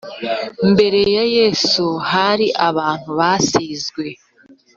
mbere ya yesu hari abantu basizwe